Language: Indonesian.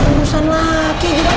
rumusan laki juga